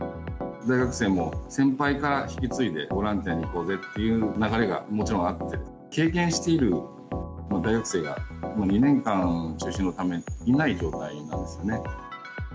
大学生も、先輩から引き継いで、ボランティアに行こうぜという流れがもちろんあって、経験している大学生が、もう２年間中止のため、いない状態なんですね。